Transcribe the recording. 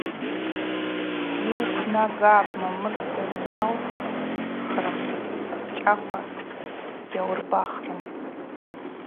Йуквнагапӏ, мамырса гьаутхрым, чӏахъва гьауырбахрым.